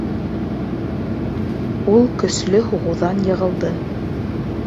Ул көслө һуғыуҙан йығылды